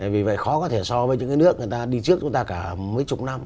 vì vậy khó có thể so với những nước người ta đi trước chúng ta cả mấy chục năm